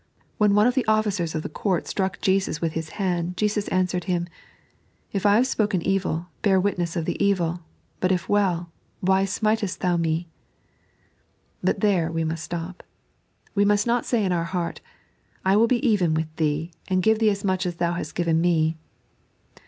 When one of the officers of the court struck Jesus with his hand, Jesus answered him :" If I have spoken evil, bear witness of the evil ; but if well, why smitest thou Me t " But there we must stop. We must not say in our heart :" I will be even with thee, and give thee as much as thou hast given me."